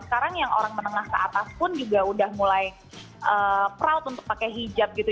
sekarang yang orang menengah ke atas pun juga udah mulai proud untuk pakai hijab gitu